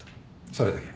それだけ。